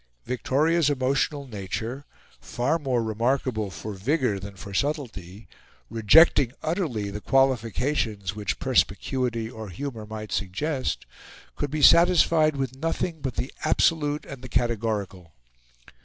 Victoria's emotional nature, far more remarkable for vigour than for subtlety, rejecting utterly the qualifications which perspicuity, or humour, might suggest, could be satisfied with nothing but the absolute and the categorical.